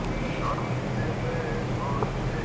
কব্জি থেকে কেটে ফেলো।